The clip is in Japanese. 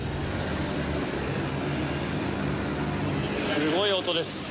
すごい音です。